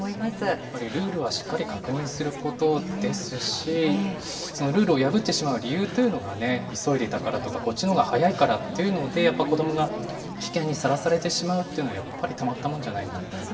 やっぱりルールはしっかり確認することですし、そのルールを破ってしまう理由というのが、急いでいたからとか、こっちのほうが早いからっていうので、やっぱり子どもが危険にさらされてしまうというのは、やっぱりたまったもんじゃないなと。